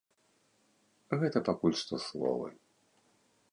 Гэта пакуль што словы.